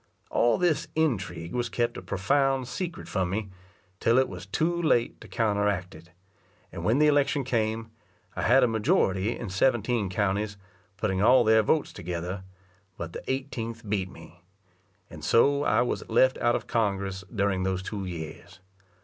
All this intrigue was kept a profound secret from me, till it was too late to counteract it; and when the election came, I had a majority in seventeen counties, putting all their votes together, but the eighteenth beat me; and so I was left out of Congress during those two years.